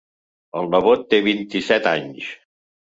El nebot té vint-i-set anys.